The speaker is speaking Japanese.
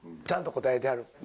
ちゃんと答えてはる。